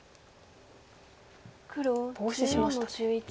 ボウシしましたね。